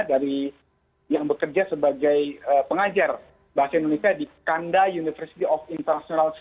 dari yang bekerja sebagai pengajar bahasa indonesia di kanda university of international